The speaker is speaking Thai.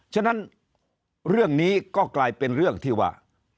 ฉะนั้นเรื่องนี้ก็กลายเป็นเรื่องที่ว่า